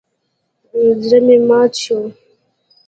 زړه مې مات شو.